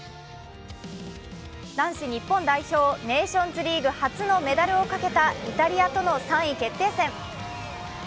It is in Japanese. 男子日本代表ネーションズリーグ初のメダルをかけたイタリアとの３位決定戦。